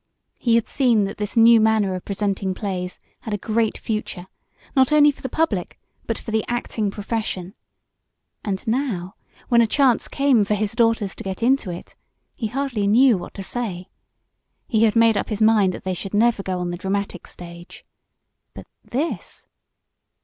He had seen that this new manner of presenting plays had a great future, not only for the public but for the acting profession. And now, when a chance came for his daughters to get into it, he hardly knew what to say. He had made up his mind that they should never go on the dramatic stage. But this